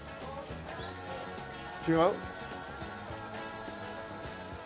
違う？